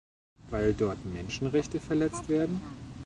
Weil dort Menschenrechte verletzt werden?